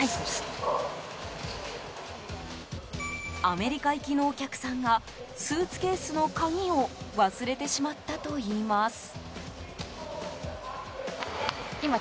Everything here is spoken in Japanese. アメリカ行きのお客さんがスーツケースの鍵を忘れてしまったといいます。